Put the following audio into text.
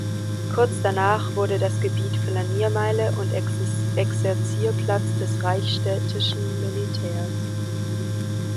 Kurz danach wurde das Gebiet Flaniermeile und Exerzierplatz des reichsstädtischen Militärs.